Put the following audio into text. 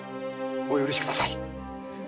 お許しください。